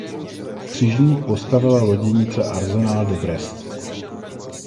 Křižník postavila loděnice Arsenal de Brest.